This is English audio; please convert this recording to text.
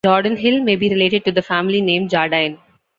Jordanhill may be related to the family name "Jardine".